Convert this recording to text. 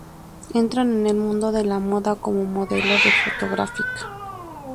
Entra en el mundo de la moda, como modelo de fotográfica.